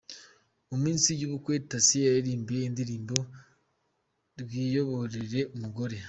Ku munsi w'ubukwe Thacien yaririmbiye indirimbo 'Rwiyoboirere'umugore.